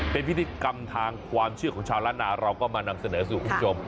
เป็นพิธีกรรมทางความเชื่อของชาวล้านนาเราก็มานำเสนอสู่คุณผู้ชม